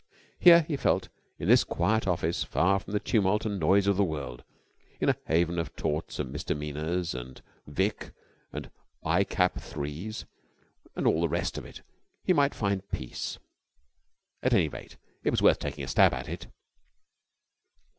Here, he felt, in this quiet office, far from the tumult and noise of the world, in a haven of torts and misdemeanours and Vic. I Cap 3's, and all the rest of it, he might find peace. At any rate, it was worth taking a stab at it.